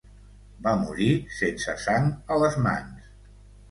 Va morir sense sang a les mans.